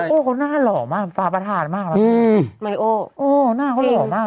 แต่เจ้าโอ้เขาน่ารอมากฟาประธานมากอืมไหมโอ้โอ้น่าเขาหล่อมาก